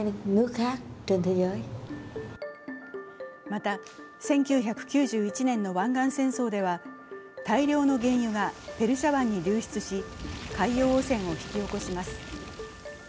また、１９９１年の湾岸戦争では大量の原油がペルシャ湾に流出し、海洋汚染を引き起こします。